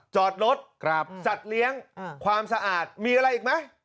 จอดรถสัตว์เลี้ยงความสะอาดมีอะไรอีกไหม